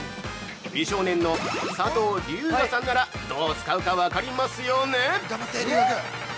美少年の佐藤龍我さんならどう使うか、分かりますよね？